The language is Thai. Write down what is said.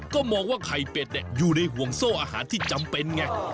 ก็มองว่าไข่เป็ดอยู่ในห่วงโซ่อาหารที่จำเป็นไง